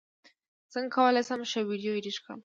څنګه کولی شم ښه ویډیو ایډیټ کړم